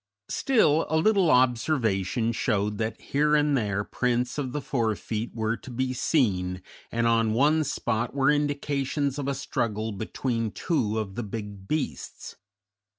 Still, a little observation showed that here and there prints of the fore feet were to be seen, and on one spot were indications of a struggle between two of the big beasts.